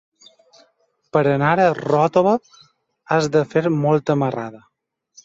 Per anar a Ròtova has de fer molta marrada.